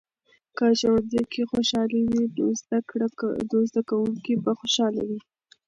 که ښوونځۍ کې خوشحالي وي، نو زده کوونکي به خوشحاله وي.